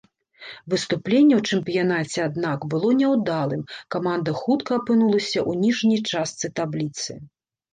Выступленне ў чэмпіянаце, аднак, было няўдалым, каманда хутка апынулася ў ніжняй частцы табліцы.